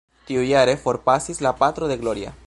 Tiujare, forpasis la patro de Gloria.